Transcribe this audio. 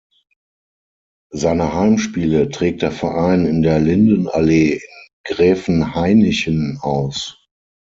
Seine Heimspiele trägt der Verein in der Lindenallee in Gräfenhainichen aus.